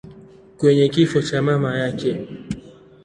kwenye kifo cha mama yake.